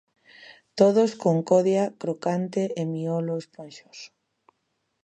Todos con codia crocante e miolo esponxoso.